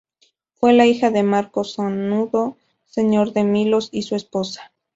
Fue la hija de Marco Sanudo, señor de Milos, y su esposa.